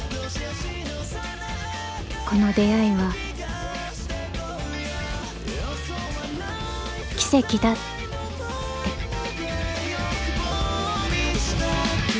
この出会いは奇跡だって。